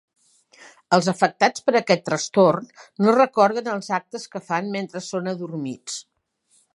Els afectats per aquest trastorn no recorden els actes que fan mentre són adormits.